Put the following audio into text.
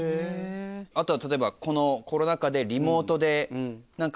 あとは例えばこのコロナ禍でリモートで。